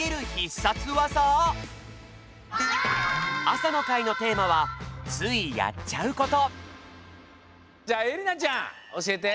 朝の会のテーマは「ついやっちゃうこと」じゃあえりなちゃんおしえて。